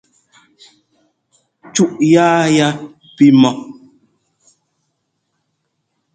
Cúʼ yáa ya pí mɔ́.